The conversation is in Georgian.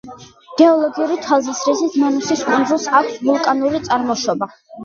გეოლოგიური თვალსაზრისით მანუსის კუნძულს აქვს ვულკანური წარმოშობა.